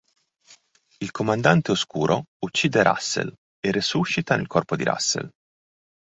Il Comandante Oscuro uccide Russell e resuscita nel corpo di Russell.